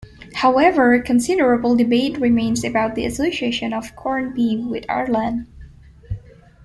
However, considerable debate remains about the association of corned beef with Ireland.